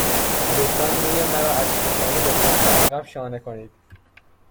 لطفاً موی مرا از پیشانی به سمت عقب شانه کنید.